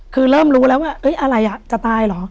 คือเริ่มรู้แล้วว่าอะไรจะตายเหรอ